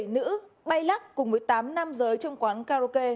bảy nữ bay lắc cùng với tám nam giới trong quán karaoke